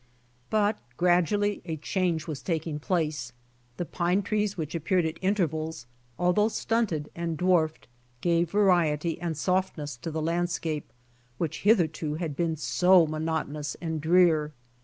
But gradually a change was taking place. The pine trees which appeared at intervals, although stunted and dwarfed, gave variety and softness to the landscape which hitherto had been so monotonous and drear.